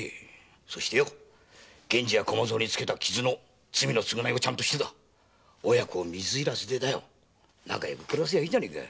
そして源次や駒三につけた傷の罪の償いをちゃんとして親子水入らずで仲良く暮らせばいいじゃないか。